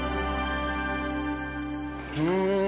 うん！